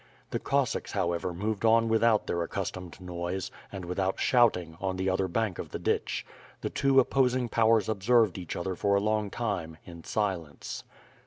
The Cossacks however moved on without their accustomed noise, and without shout ing, on the other bank of the ditch. The two opposing powers observed each other for a long time in silence.